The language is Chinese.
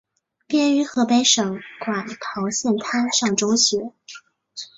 毕业于河北省馆陶县滩上中学。